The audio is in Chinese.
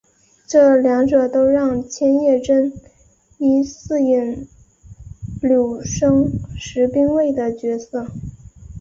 这两者都让千叶真一饰演柳生十兵卫的角色。